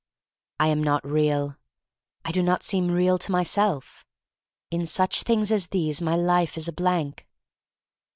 I am not real — I do not seem real to myself. In such things as these my life is a blank.